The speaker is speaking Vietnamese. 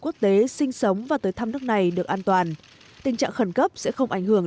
quốc tế sinh sống và tới thăm nước này được an toàn tình trạng khẩn cấp sẽ không ảnh hưởng